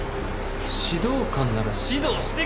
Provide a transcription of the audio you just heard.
「指導官なら指導してください！」